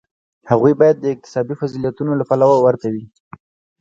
هغوی باید د اکتسابي فضیلتونو له پلوه ورته وي.